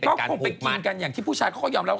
ก็คงไปกินกันอย่างที่ผู้ชายเขาก็ยอมรับว่า